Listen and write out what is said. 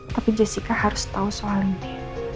tapi jessica harus tahu soal ini